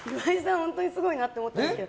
本当にすごいなって思ったんですけど